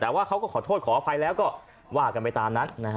แต่ว่าเขาก็ขอโทษขออภัยแล้วก็ว่ากันไปตามนั้นนะฮะ